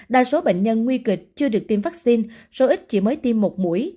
đa số bệnh nhân nguy kịch chưa được tiêm vaccine số ít chỉ mới tiêm một mũi